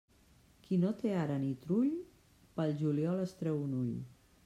Qui no té era ni trull, pel juliol es treu un ull.